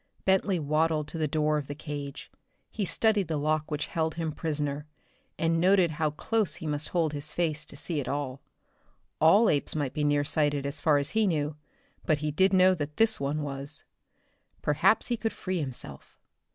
Bentley waddled to the door of the cage. He studied the lock which held him prisoner, and noted how close he must hold his face to see at all. All apes might be near sighted as far as he knew; but he did know that this one was. Perhaps he could free himself.